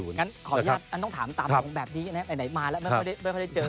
งั้นขออนุญาตอันต้องถามตามตรงแบบนี้นะไหนมาแล้วไม่ค่อยได้เจอ